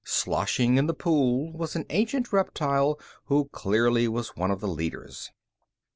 Sloshing in the pool was an ancient reptile who clearly was one of the leaders.